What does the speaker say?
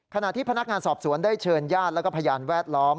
ขณะที่พนักงานสอบสวนได้เชิญญาติและพยานแวดล้อม